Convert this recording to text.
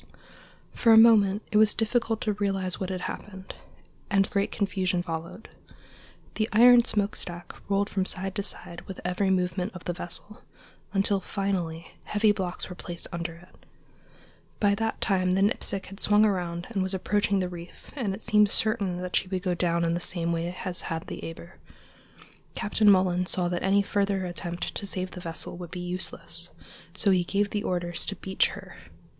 For a moment it was difficult to realize what had happened, and great confusion followed. The iron smokestack rolled from side to side with every movement of the vessel, until finally heavy blocks were placed under it. By that time the Nipsic had swung around and was approaching the reef, and it seemed certain that she would go down in the same way as had the Eber. Captain Mullan saw that any further attempt to save the vessel would be useless, so he gave the orders to beach her.